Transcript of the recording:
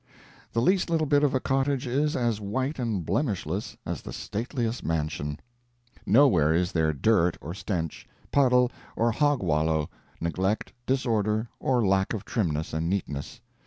The least little bit of a cottage is as white and blemishless as the stateliest mansion. Nowhere is there dirt or stench, puddle or hog wallow, neglect, disorder, or lack of trimness and neatness.